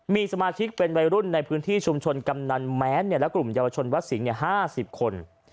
มีสมาชิกเป็นวัยรุ่นในพื้นที่ชุมชนกำนันแม้นและกลุ่มเยาวชนวัดสิงห์๕๐คน